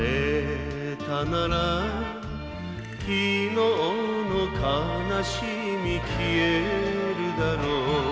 「昨日の悲しみ消えるだろう」